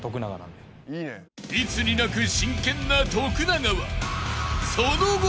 ［いつになく真剣な徳永は］